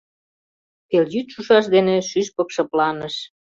Пелйӱд шушаш дене шӱшпык шыпланыш.